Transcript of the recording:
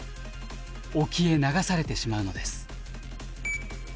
沖へ流されてしまうのです。